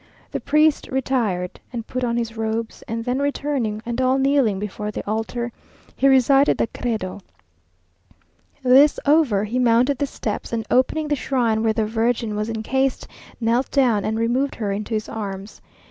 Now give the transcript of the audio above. The priest retired and put on his robes, and then returning, and all kneeling before the altar, he recited the credo. This over, he mounted the steps, and opening the shrine where the Virgin was encased, knelt down and removed her in his arms.